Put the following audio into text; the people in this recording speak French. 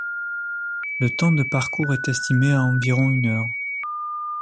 Le temps de parcours est estimé à environ une heure.